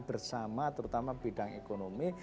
bersama terutama bidang ekonomi